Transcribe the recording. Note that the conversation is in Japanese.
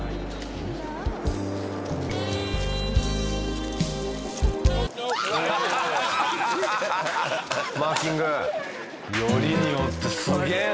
よりによってすげえなこいつも。